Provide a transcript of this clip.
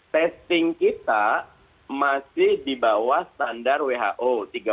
testing kita masih di bawah standar who